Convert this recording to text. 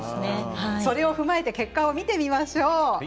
それを踏まえて結果を見てみましょう。